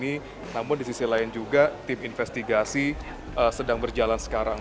namun di sisi lain juga tim investigasi sedang berjalan sekarang